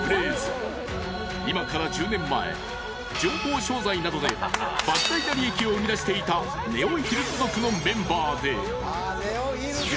［今から１０年前情報商材などで莫大な利益を生み出していたネオヒルズ族のメンバーで］